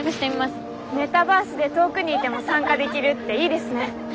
メタバースで遠くにいても参加できるっていいですね。